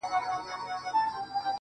ماته ژړا نه راځي کله چي را یاد کړم هغه.